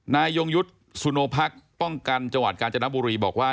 ยงยุทธ์สุโนพักป้องกันจังหวัดกาญจนบุรีบอกว่า